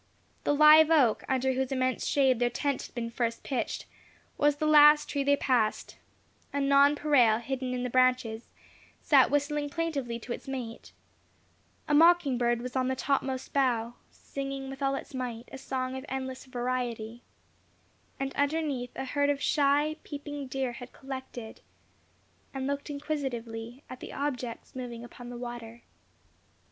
The live oak, under whose immense shade their tent had been first pitched, was the last tree they passed; a nonpareil, hidden in the branches, sat whistling plaintively to its mate; a mocking bird was on the topmost bough, singing with all its might a song of endless variety; and underneath a herd of shy, peeping deer had collected, and looked inquisitively at the objects moving upon the water.